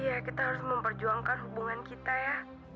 iya kita harus memperjuangkan hubungan kita ya